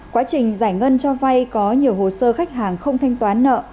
quá trình giải ngân cho vay có nhiều hồ sơ khách hàng không thanh toán nợ